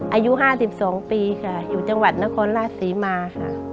อายุ๕๒ปีค่ะอยู่จังหวัดนครราชศรีมาค่ะ